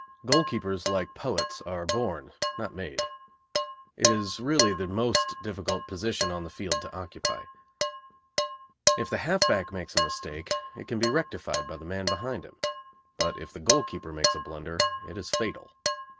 Goalkeepers, like poets, are born, not made. It is really the most difficult position on the field to occupy. If the half back makes a mistake it can be rectified by the man behind him, but if the goalkeeper makes a blunder it is fatal.